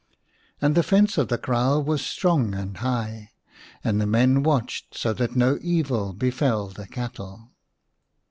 And the fence of the kraal was strong and high, and the men watched so that no evil befell the cattle.